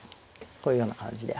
こういうような感じで。